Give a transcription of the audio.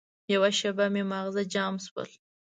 یوه شېبه مې ماغزه جام شول.